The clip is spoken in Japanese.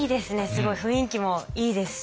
すごい雰囲気もいいですし。